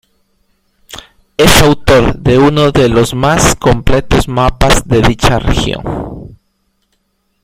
Es autor de uno de los más completos mapas de dicha región.